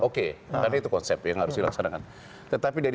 oke karena itu konsep ya tidak harus silahkan